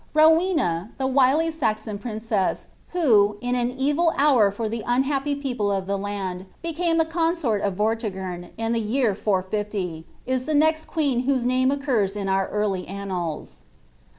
Rowcna, the wily Saxon princess, who, in an evil hour for the un happy people of the land, became the consort of Vortigern in the year 450, is the next queen whose name occurs in our early annals.